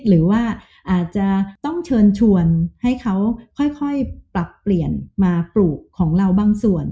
หรือว่าอาจจะต้องเชิญชวนให้เขาค่อยปรับเปลี่ยนมาปลูกของเราบางส่วน